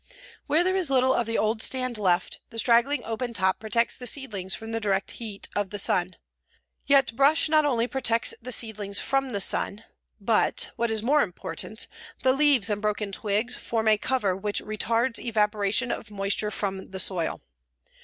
Where there is little of the old stand left, the straggling open top protects the seedlings from the direct heat of the sun. Yet brush not only protects the seedlings from the sun but, what is more important, the leaves and broken twigs form a cover which retards evaporation of moisture from the soil.